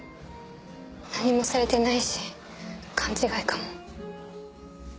何もされてないし勘違いかも。